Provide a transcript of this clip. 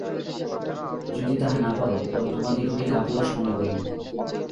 যদি তাহা না পার, তবে তোমাদিগকে কাপুরুষ মনে করিব।